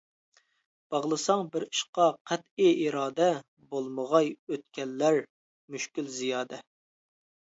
باغلىساڭ بىر ئىشقا قەتئىي ئىرادە، بولمىغاي ئۆتكەنلەر مۈشكۈل زىيادە.